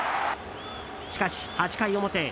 しかし８回表。